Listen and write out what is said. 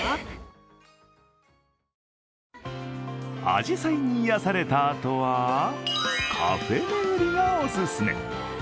あじさいに癒やされたあとは、カフェ巡りがオススメ。